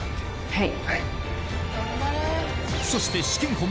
はい！